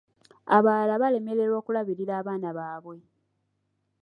Abalala balemererwa okulabirila abaana baabwe.